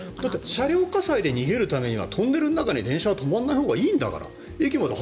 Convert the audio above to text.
車両火災で逃げるためにはトンネルの中に電車は止まらないほうがいいんだから。